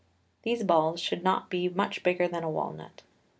These balls should not be much bigger than a walnut.